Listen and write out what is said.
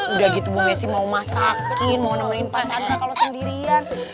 udah gitu bu messi mau masakin mau nomerin pak chandra kalau sendirian